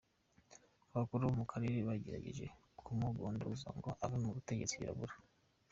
Abakuru bo mu karere baragerageje kumugondoza ngo ave ku butegetsi birabura.